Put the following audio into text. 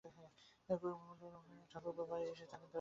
কুমু বললে, মুরলী, নবীন ঠাকুরপো যদি বাড়ি এসে থাকেন তাঁকে ডেকে দাও।